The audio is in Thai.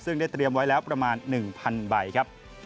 ซึ่งได้เตรียมไว้แล้วประมาณ๑๐๐ใบครับ